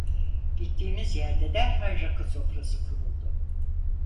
Gittiğimiz yerde derhal rakı sofrası kuruldu.